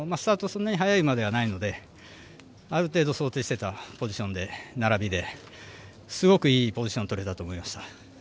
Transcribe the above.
そんなに速い馬ではないのである程度想定していたポジションで並びですごくいいポジションをとれたと思いました。